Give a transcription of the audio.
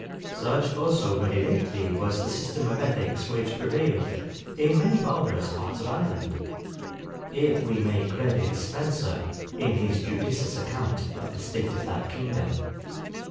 Such also very lately was the system of ethics which prevailed in many barbarous parts of Ireland; if we may credit Spencer, in his judicious account of the state of that kingdom.